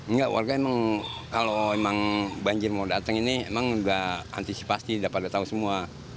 nggak warga emang kalau banjir mau datang ini emang nggak antisipasi tidak pada tahu semua